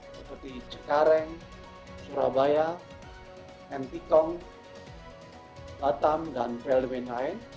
seperti cekareng surabaya hentikong batam dan belbenaen